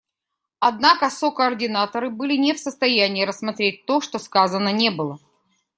Однако сокоординаторы были не в состоянии рассмотреть то, что сказано не было.